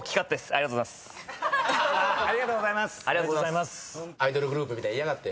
ありがとうございます。